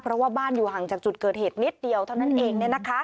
เพราะว่าบ้านอยู่ห่างจากจุดเกิดเหตุนิดเดียวเท่านั้นเอง